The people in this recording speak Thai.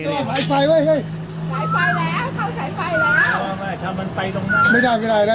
ต่างความลงมา